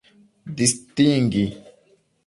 distingi